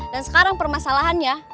dan sekarang permasalahannya